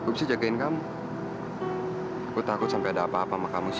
bisa jagain kamu aku takut sampai ada apa apa makamu sia